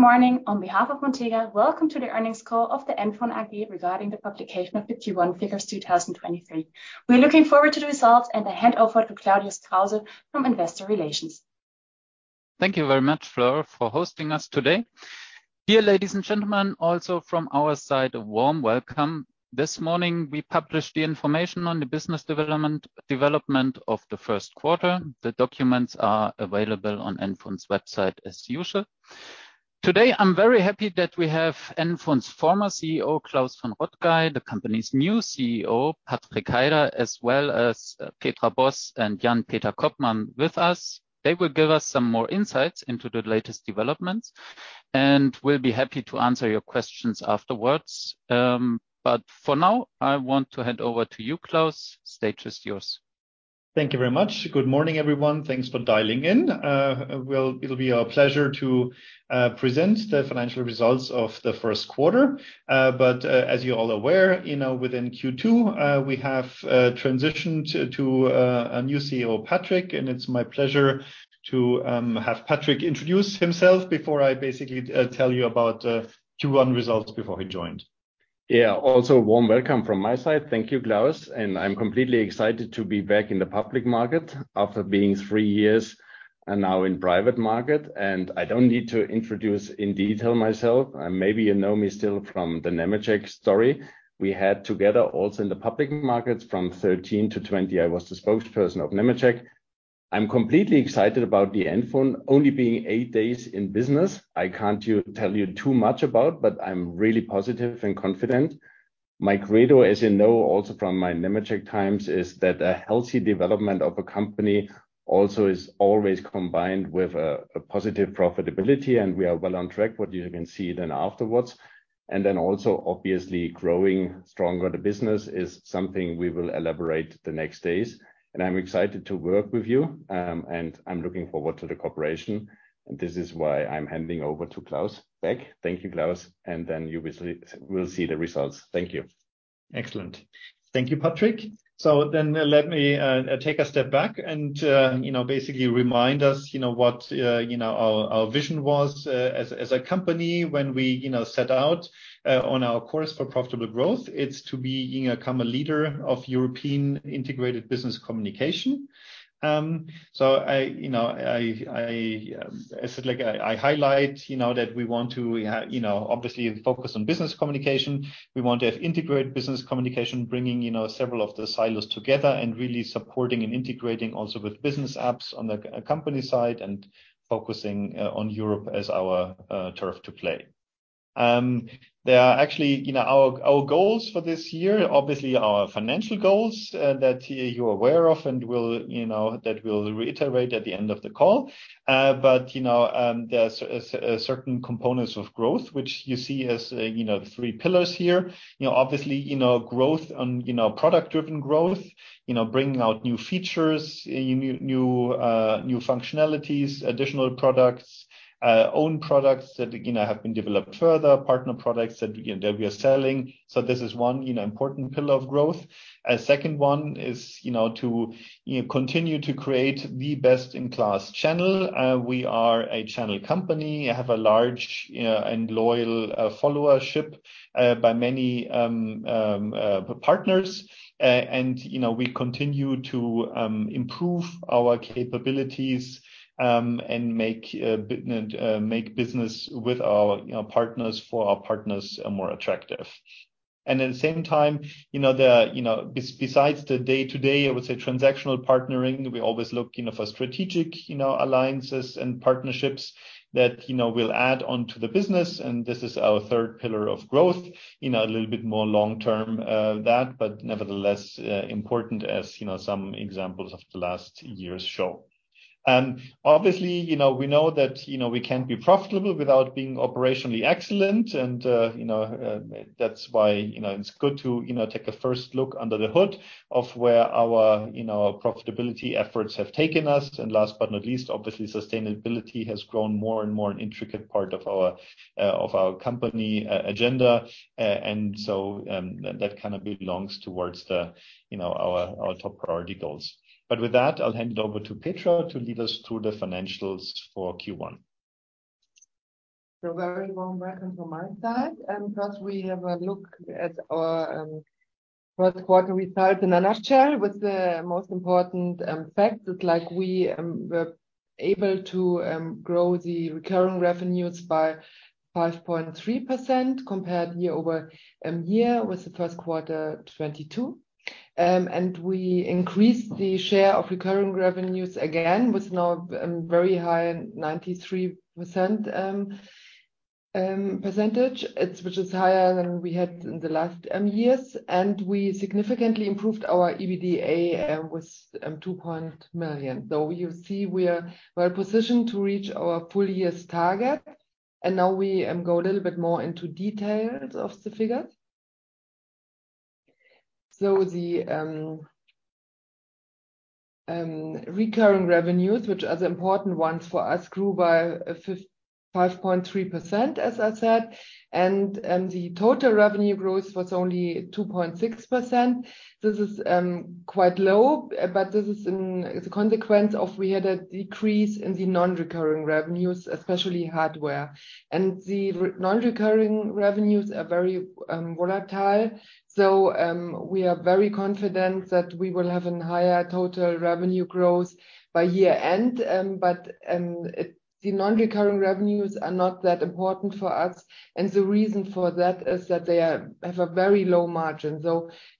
Good morning. On behalf of Montega, welcome to the earnings call of the NFON AG regarding the publication of the Q1 figures 2023. We're looking forward to the results, I hand over to Claudius Krause from Investor Relations. Thank you very much, Fleur, for hosting us today. Dear ladies and gentlemen, also from our side, a warm welcome. This morning, we published the information on the business development of the first quarter. The documents are available on NFON's website as usual. Today, I'm very happy that we have NFON's former CEO, Klaus von Rottkay, the company's new CEO, Patrik Heider, as well as Petra Boss and Jan-Peter Koopmann with us. They will give us some more insights into the latest developments, we'll be happy to answer your questions afterwards. For now, I want to hand over to you, Klaus. The stage is yours. Thank you very much. Good morning, everyone. Thanks for dialing in. Well, it'll be our pleasure to present the financial results of the first quarter. As you're all aware, you know, within Q2, we have transitioned to a new CEO, Patrik, and it's my pleasure to have Patrik introduce himself before I basically tell you about Q1 results before he joined. A warm welcome from my side. Thank you, Klaus. I'm completely excited to be back in the public market after being three years and now in private market. I don't need to introduce in detail myself. Maybe you know me still from the Nemetschek story we had together, also in the public markets from 13 markets-20 markets, I was the spokesperson of Nemetschek. I'm completely excited about the NFON only being eight days in business. I can't tell you too much about, I'm really positive and confident. My credo, as you know, also from my Nemetschek times, is that a healthy development of a company also is always combined with a positive profitability, we are well on track, what you can see then afterwards. Also, obviously, growing stronger the business is something we will elaborate the next days, and I'm excited to work with you, and I'm looking forward to the cooperation. This is why I'm handing over to Klaus back. Thank you, Klaus, and then you will see the results. Thank you. Excellent. Thank you, Patrik. Let me take a step back and, you know, basically remind us, you know, what, you know, our vision was as a company when we, you know, set out on our course for profitable growth. It's to become a leader of European integrated business communication. I, you know, I, as like I highlight, you know, that we want to have, you know, obviously focus on business communication. We want to have integrated business communication, bringing, you know, several of the silos together and really supporting and integrating also with business apps on the company side and focusing on Europe as our turf to play. There are actually our goals for this year, obviously our financial goals that you're aware of and will that we'll reiterate at the end of the call. There are certain components of growth, which you see as the three pillars here. Obviously, growth on product-driven growth, bringing out new features, new functionalities, additional products, own products that have been developed further, partner products that we are selling. This is one important pillar of growth. A second one is to continue to create the best-in-class channel. We are a channel company, have a large and loyal followership by many partners. You know, we continue to improve our capabilities and make business, make business with our, you know, partners, for our partners more attractive. At the same time, you know, the, you know, besides the day-to-day, I would say, transactional partnering, we always look, you know, for strategic, you know, alliances and partnerships that, you know, will add on to the business, and this is our third pillar of growth. You know, a little bit more long term, that, but nevertheless, important as, you know, some examples of the last year's show. Obviously, you know, we know that, you know, we can't be profitable without being operationally excellent, and, you know, that's why, you know, it's good to, you know, take a first look under the hood of where our, you know, profitability efforts have taken us. Last but not least, obviously, sustainability has grown more and more an intricate part of our, of our company agenda. That kind of belongs towards the, you know, our top priority goals. With that, I'll hand it over to Petra to lead us through the financials for Q1. A very warm welcome from my side, and first we have a look at our first quarter results in a nutshell, with the most important facts. It's like we were able to grow the recurring revenues by 5.3% compared year-over-year with the first quarter 2022. We increased the share of recurring revenues again with now very high 93% percentage, which is higher than we had in the last years, and we significantly improved our EBITDA with 2 million. You see, we are well positioned to reach our full year's target, and now we go a little bit more into details of the figures. recurring revenues, which are the important ones for us, grew by 55.3%, as I said, and the total revenue growth was only 2.6%. This is quite low, but this is a consequence of we had a decrease in the non-recurring revenues, especially hardware. The non-recurring revenues are very volatile, we are very confident that we will have an higher total revenue growth by year-end. The non-recurring revenues are not that important for us, and the reason for that is that they have a very low margin.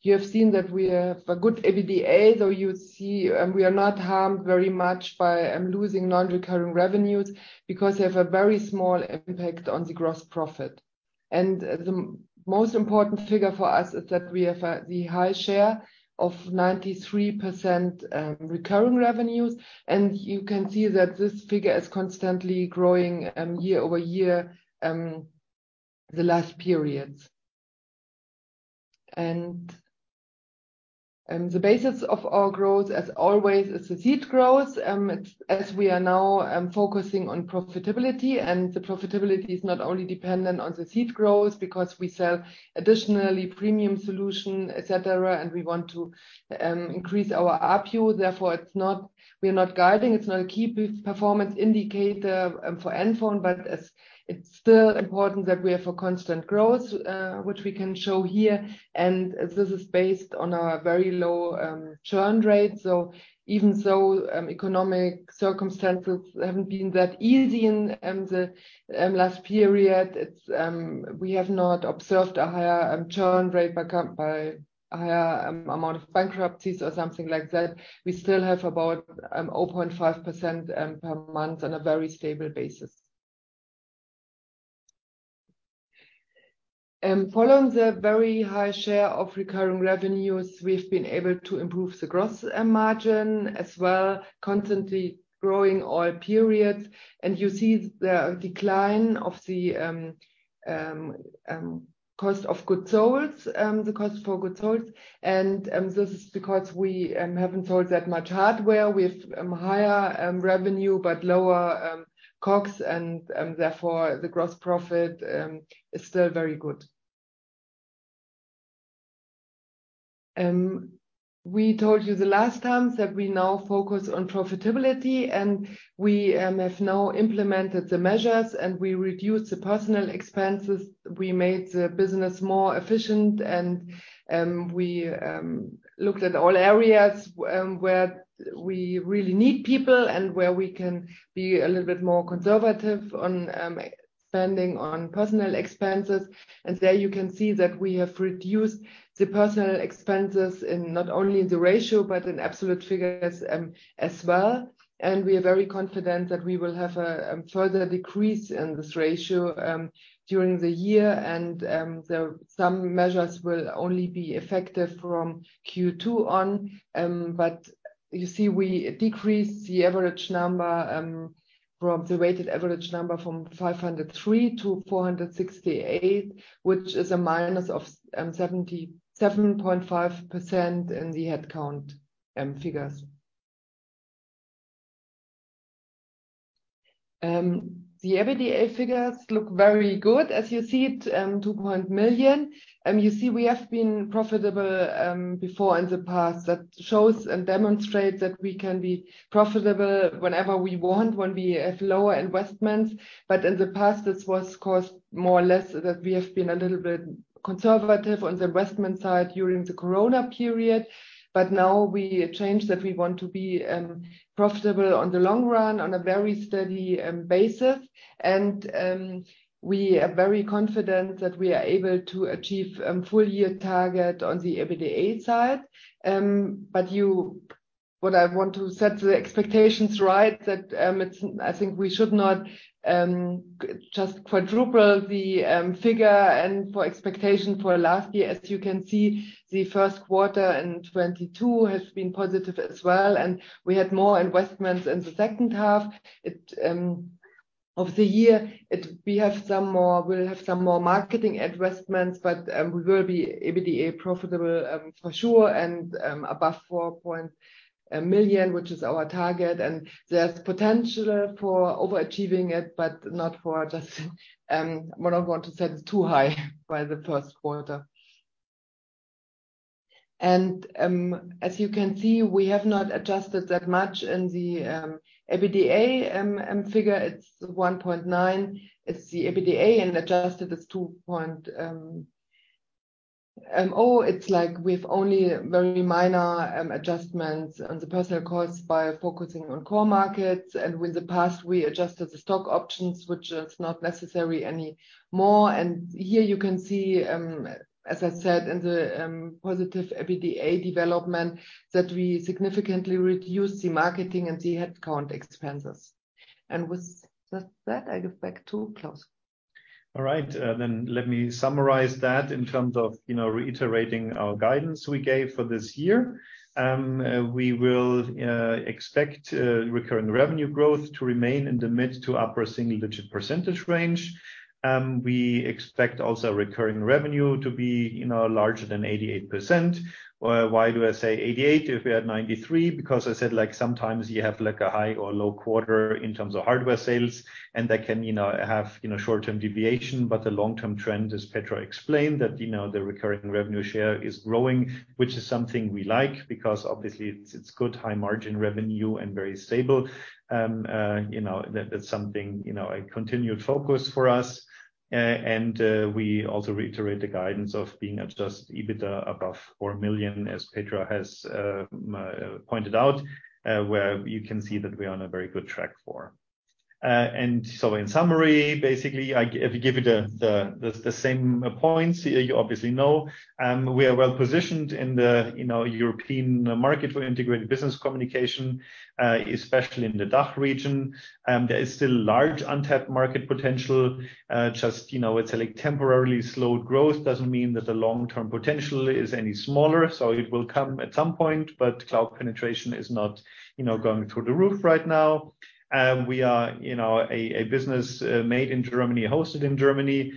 You have seen that we have a good EBITDA, we are not harmed very much by losing non-recurring revenues because they have a very small impact on the gross profit. The most important figure for us is that we have the high share of 93% recurring revenues, and you can see that this figure is constantly growing year-over-year the last periods. The basis of our growth, as always, is the seat growth. As we are now focusing on profitability, and the profitability is not only dependent on the seat growth, because we sell additionally Premium Solution, et cetera, and we want to increase our RPU. Therefore, we are not guiding, it's not a key performance indicator for NFON, but it's still important that we are for constant growth, which we can show here, and this is based on our very low churn rate. Even though economic circumstances haven't been that easy in the last period, it's, we have not observed a higher churn rate by higher amount of bankruptcies or something like that. We still have about 0.5% per month on a very stable basis. Following the very high share of recurring revenues, we've been able to improve the gross margin as well, constantly growing all periods. You see the decline of the cost of goods sold, the cost for goods sold. This is because we haven't sold that much hardware. We have higher revenue, but lower COGS, and therefore, the gross profit is still very good. We told you the last time that we now focus on profitability. We have now implemented the measures. We reduced the personal expenses. We made the business more efficient. We looked at all areas where we really need people and where we can be a little bit more conservative on spending on personal expenses. There you can see that we have reduced the personal expenses in not only the ratio, but in absolute figures as well. We are very confident that we will have a further decrease in this ratio during the year. Some measures will only be effective from Q2 on. You see, we decreased the average number from the weighted average number from 503-468, which is a minus of 77.5% in the headcount figures. The EBITDA figures look very good, as you see it, 2 million. You see, we have been profitable before in the past. That shows and demonstrates that we can be profitable whenever we want, when we have lower investments. But in the past, this was caused more or less, that we have been a little bit conservative on the investment side during the Corona period. But now we change that. We want to be profitable on the long run, on a very steady basis. We are very confident that we are able to achieve full year target on the EBITDA side. What I want to set the expectations right, that I think we should not just quadruple the figure and for expectation for last year. As you can see, the first quarter in 2022 has been positive as well, and we had more investments in the second half. Of the year, we have some more, we'll have some more marketing investments, but we will be EBITDA profitable for sure, and above 4 million, which is our target. There's potential for overachieving it, but not for just what I want to set it too high by the first quarter. As you can see, we have not adjusted that much in the EBITDA figure. It's 1.9, it's the EBITDA, and adjusted, it's 2 point, it's like we've only very minor adjustments on the personal costs by focusing on core markets. In the past, we adjusted the stock options, which is not necessary anymore. Here you can see, as I said, in the positive EBITDA development, that we significantly reduced the marketing and the headcount expenses. With that, I give back to Klaus. All right, let me summarize that in terms of, you know, reiterating our guidance we gave for this year. We will expect recurring revenue growth to remain in the mid to upper single digit percentage range. We expect also recurring revenue to be, you know, larger than 88%. Why do I say 88% if we had 93%? Because I said, like, sometimes you have, like, a high or low quarter in terms of hardware sales, and that can, you know, have, you know, short-term deviation. The long-term trend, as Petra explained, that, you know, the recurring revenue share is growing, which is something we like, because obviously it's good high margin revenue and very stable. You know, that's something, you know, a continued focus for us. We also reiterate the guidance of being adjusted EBITDA above 4 million, as Petra has pointed out, where you can see that we are on a very good track for. In summary, basically, if I give you the same points you obviously know, we are well positioned in the, you know, European market for integrated business communication, especially in the DACH region. There is still large untapped market potential. Just, you know, it's like temporarily slowed growth doesn't mean that the long-term potential is any smaller, so it will come at some point. Cloud penetration is not, you know, going through the roof right now. We are, you know, a business made in Germany, hosted in Germany,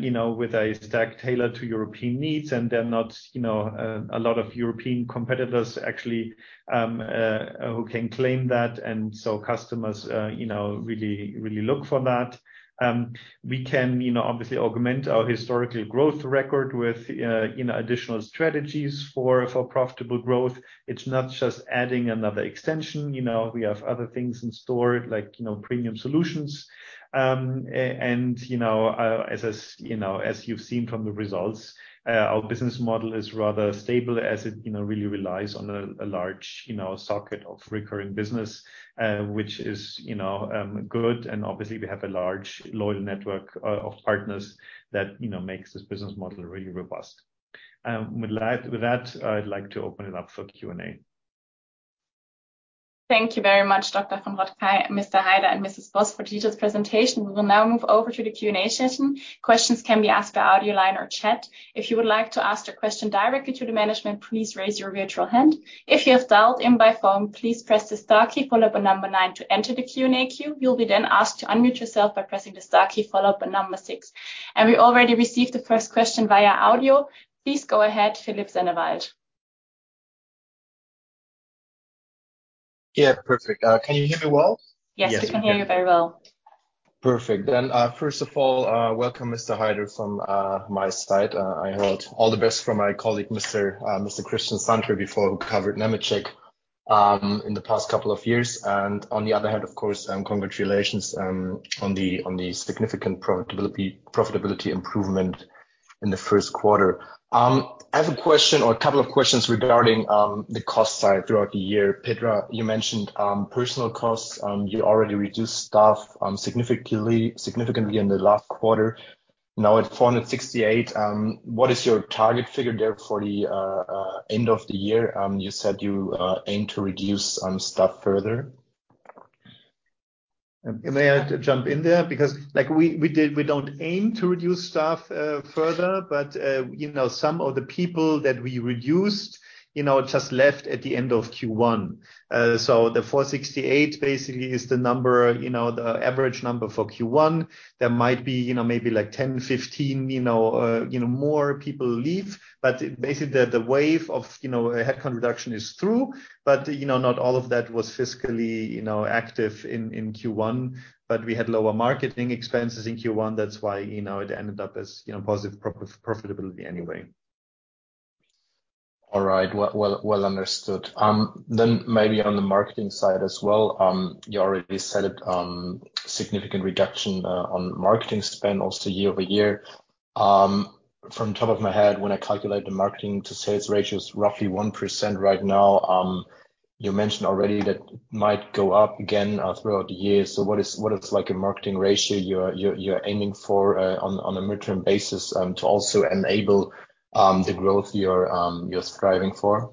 you know, with a stack tailored to European needs. They're not, you know, a lot of European competitors actually who can claim that. Customers, you know, really look for that. We can, you know, obviously augment our historical growth record with, you know, additional strategies for profitable growth. It's not just adding another extension. You know, we have other things in store, like, you know, Premium Solutions. As you've seen from the results, our business model is rather stable as it, you know, really relies on a large, you know, socket of recurring business, which is, you know, good. obviously we have a large loyal network of partners that, you know, makes this business model really robust. with that, I'd like to open it up for Q&A. Thank you very much, Dr. von Rottkay, Mr. Heider, and Mrs. Boss for detailed presentation. We will now move over to the Q&A session. Questions can be asked by audio line or chat. If you would like to ask a question directly to the management, please raise your virtual hand. If you have dialed in by phone, please press the star key, follow up by number nine to enter the Q&A queue. You'll be then asked to unmute yourself by pressing the star key, followed by number six. We already received the first question via audio. Please go ahead, Philipp Sennewald. Yeah, perfect. Can you hear me well? Yes, we can hear you very well. Perfect. First of all, welcome, Mr. Heider, from my side. I heard all the best from my colleague, Mr. Christian Sander before, who covered Nemetschek in the past couple of years. On the other hand, of course, congratulations on the significant profitability improvement in the first quarter. I have a question or a couple of questions regarding the cost side throughout the year. Petra, you mentioned personal costs. You already reduced staff significantly in the last quarter. Now, at 468, what is your target figure there for the end of the year? You said you aim to reduce staff further. May I jump in there? Like we don't aim to reduce staff further, but, you know, some of the people that we reduced, you know, just left at the end of Q1. The 468 basically is the number, you know, the average number for Q1. There might be, you know, maybe like 10 people, 15 people, you know, more people leave. Basically, the wave of, you know, headcount reduction is through. You know, not all of that was fiscally, you know, active in Q1, but we had lower marketing expenses in Q1. That's why, you know, it ended up as, you know, positive profitability anyway. All right. Well, well, well understood. Maybe on the marketing side as well, you already said it, significant reduction on marketing spend also year-over-year. From top of my head, when I calculate the marketing to sales ratio is roughly 1% right now. You mentioned already that might go up again throughout the year. What is like a marketing ratio you're aiming for on a midterm basis to also enable the growth you're striving for?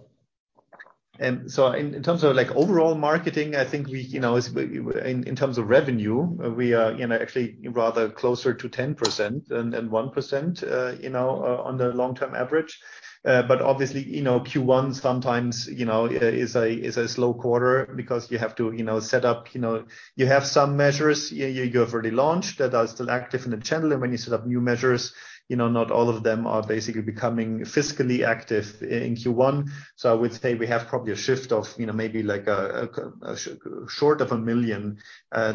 In, in terms of like overall marketing, I think we, you know, in terms of revenue, we are, you know, actually rather closer to 10% than 1%, you know, on the long-term average. Obviously, you know, Q1 sometimes, you know, is a slow quarter because you have to, you know, set up. You have some measures you have already launched that are still active in the channel. When you set up new measures, you know, not all of them are basically becoming fiscally active in Q1. I would say we have probably a shift of, you know, maybe like a short of 1 million,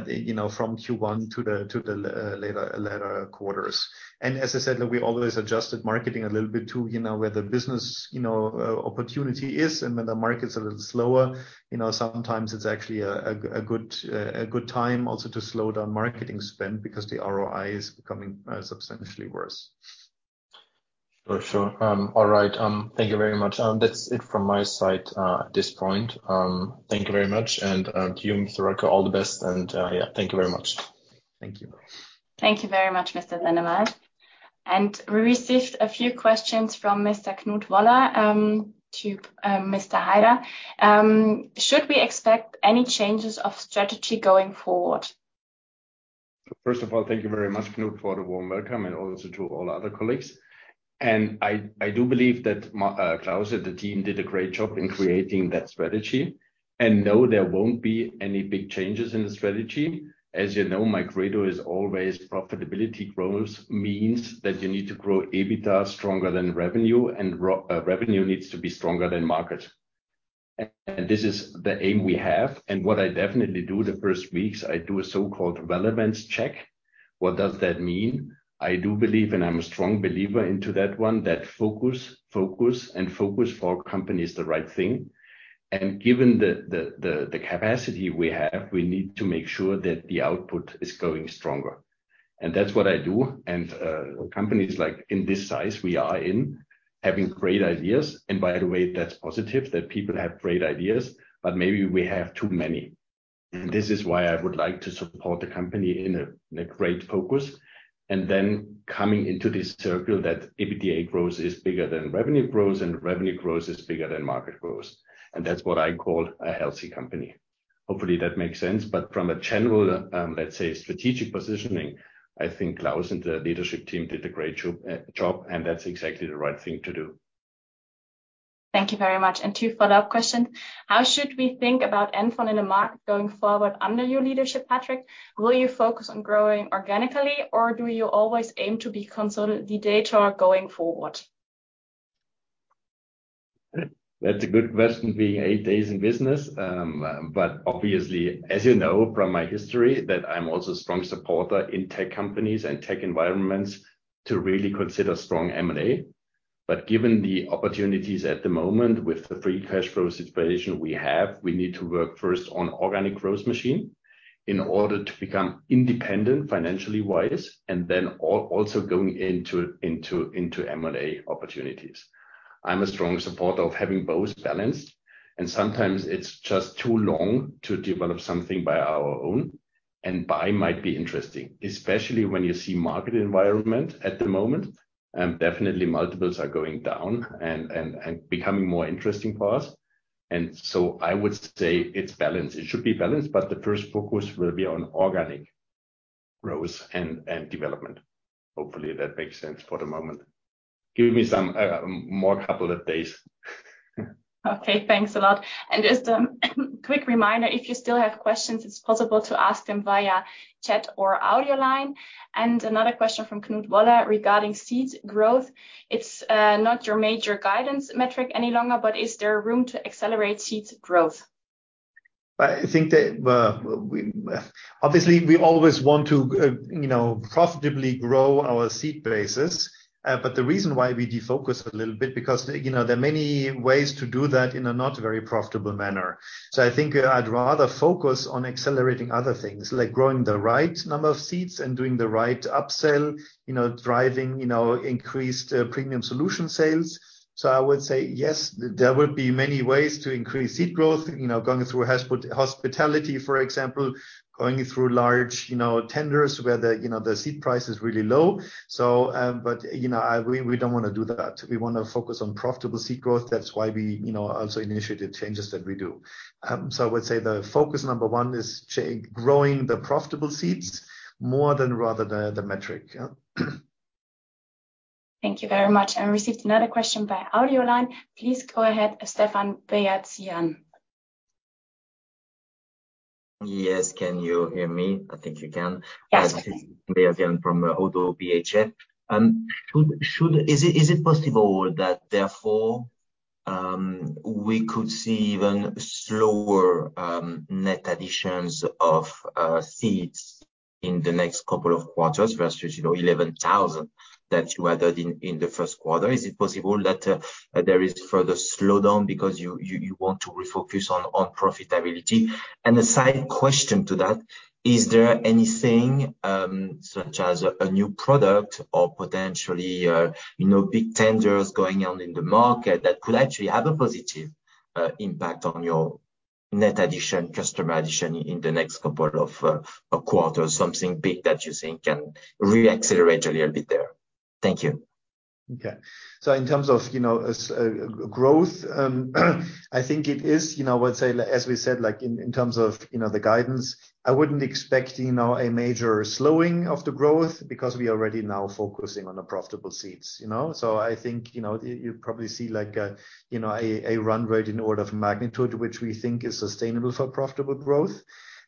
you know, from Q1 to the later quarters. As I said, we always adjusted marketing a little bit to, you know, where the business, you know, opportunity is, and when the market's a little slower. You know, sometimes it's actually a good, a good time also to slow down marketing spend because the ROI is becoming substantially worse. For sure. All right, thank you very much. That's it from my side at this point. Thank you very much, and to you, Mr. Rottkay, all the best. Yeah, thank you very much. Thank you. Thank you very much, Mr. Sennewald. We received a few questions from Mr. Knut Woller, to Mr. Heider. Should we expect any changes of strategy going forward? First of all, thank you very much, Knut, for the warm welcome, and also to all other colleagues. I do believe that Klaus and the team did a great job in creating that strategy. No, there won't be any big changes in the strategy. As you know, my credo is always profitability growth means that you need to grow EBITDA stronger than revenue, and revenue needs to be stronger than market. This is the aim we have. What I definitely do the first weeks, I do a so-called relevance check. What does that mean? I do believe, and I'm a strong believer into that one, that focus, and focus for a company is the right thing. Given the, the capacity we have, we need to make sure that the output is going stronger. That's what I do. Companies like in this size we are in, having great ideas, and by the way, that's positive that people have great ideas, but maybe we have too many. This is why I would like to support the company in a great focus, and then coming into this circle that EBITDA growth is bigger than revenue growth, and revenue growth is bigger than market growth. That's what I call a healthy company. Hopefully, that makes sense, from a general, let's say, strategic positioning, I think Klaus and the leadership team did a great job, and that's exactly the right thing to do. Thank you very much. Two follow-up questions: How should we think about NFON in the market going forward under your leadership, Patrik? Will you focus on growing organically, or do you always aim to be consolidator going forward? That's a good question, being eight days in business. Obviously, as you know from my history, that I'm also a strong supporter in tech companies and tech environments to really consider strong M&A. Given the opportunities at the moment with the free cash flow situation we have, we need to work first on organic growth machine in order to become independent, financially wise, and then also going into M&A opportunities. I'm a strong supporter of having both balanced, and sometimes it's just too long to develop something by our own, and buy might be interesting, especially when you see market environment at the moment, and definitely multiples are going down and becoming more interesting for us. I would say it's balanced. It should be balanced, but the first focus will be on organic growth and development. Hopefully, that makes sense for the moment. Give me some more couple of days. Okay, thanks a lot. Just a quick reminder, if you still have questions, it's possible to ask them via chat or audio line. Another question from Knut Waller regarding seats growth. It's not your major guidance metric any longer, but is there room to accelerate seats growth? I think that, well, we. Obviously, we always want to, you know, profitably grow our seat bases. The reason why we defocus a little bit, because, you know, there are many ways to do that in a not very profitable manner. I think I'd rather focus on accelerating other things, like growing the right number of seats and doing the right upsell, you know, driving, you know, increased Premium Solution sales. I would say, yes, there would be many ways to increase seat growth, you know, going through hospitality, for example, going through large, you know, tenders, where the, you know, the seat price is really low. But, you know, we don't want to do that. We want to focus on profitable seat growth. That's why we, you know, also initiated changes that we do. I would say the focus number one is growing the profitable seats more than rather the metric. Yeah. Thank you very much. I received another question by audio line. Please go ahead, Stéphane Beyazian. Yes. Can you hear me? I think you can. Yes, I can. Beyazian from ODDO BHF. Is it possible that therefore, we could see even slower net additions of seats in the next couple of quarters versus, you know, 11,000 that you added in the first quarter? Is it possible that there is further slowdown because you want to refocus on profitability? A side question to that, is there anything such as a new product or potentially, you know, big tenders going on in the market that could actually have a positive impact on your net addition, customer addition in the next couple of quarters, something big that you think can reaccelerate a little bit there? Thank you. Okay. In terms of, you know, as, growth, I think it is, you know, I would say, as we said, like in terms of, you know, the guidance, I wouldn't expect, you know, a major slowing of the growth because we are already now focusing on the profitable seats, you know? I think, you know, you probably see like a, you know, a run rate in order of magnitude, which we think is sustainable for profitable growth.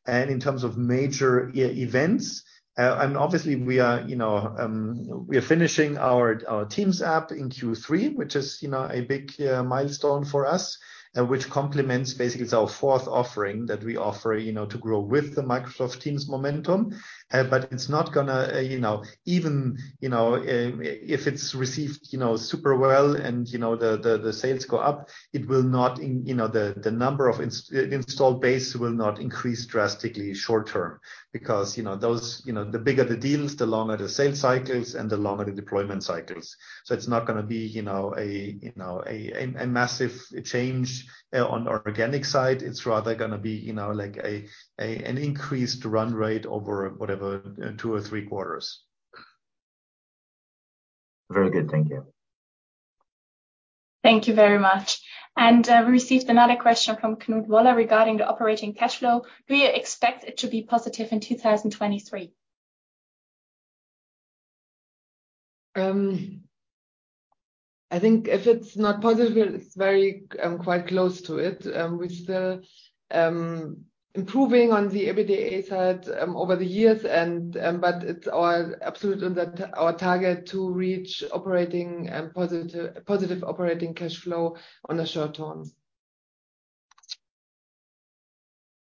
In terms of major events, and obviously, we are, you know, we are finishing our Teams app in Q3, which is, you know, a big milestone for us, and which complements basically it's our fourth offering that we offer, you know, to grow with the Microsoft Teams momentum. But it's not gonna, you know... Even, you know, if it's received, you know, super well and, you know, the sales go up, it will not, in, you know, the number of installed base will not increase drastically short term. You know, those, you know, the bigger the deals, the longer the sales cycles and the longer the deployment cycles. It's not gonna be, you know, a, you know, a massive change on the organic side. It's rather gonna be, you know, like an increased run rate over whatever, two or three quarters. Very good. Thank you. Thank you very much. We received another question from Knut Waller regarding the operating cash flow. Do you expect it to be positive in 2023? I think if it's not positive, it's very, quite close to it. We're still improving on the EBITDA side over the years and, but it's all absolutely on that, our target to reach operating and positive operating cash flow on the short term.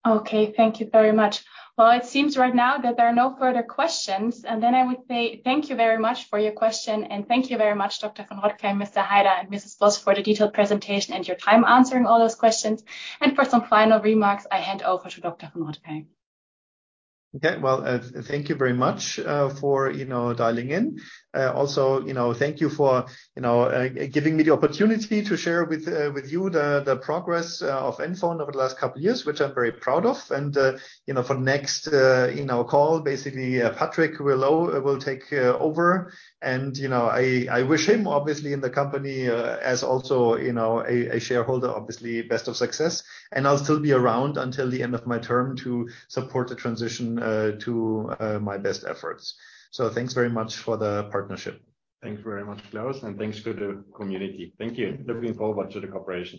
Okay, thank you very much. It seems right now that there are no further questions, I would say thank you very much for your question, and thank you very much, Dr. von Rottkay, Mr. Heider, and Mrs. Boss, for the detailed presentation and your time answering all those questions. For some final remarks, I hand over to Dr. von Rottkay. Okay, well, thank you very much for, you know, dialing in. Also, you know, thank you for, you know, giving me the opportunity to share with you the progress of NFON over the last couple of years, which I'm very proud of. You know, for next, you know, call, basically, Patrik will will take over. You know, I wish him, obviously, in the company, as also, you know, a shareholder, obviously, best of success. I'll still be around until the end of my term to support the transition to my best efforts. Thanks very much for the partnership. Thank you very much, Klaus, and thanks to the community. Thank you. Looking forward to the cooperation.